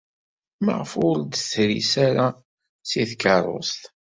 Maɣef ur d-tris ara seg tkeṛṛust?